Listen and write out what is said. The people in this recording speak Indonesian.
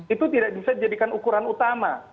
itu tidak bisa dijadikan ukuran utama